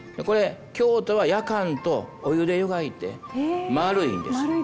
これ京都は焼かんとお湯で湯がいて丸いんです。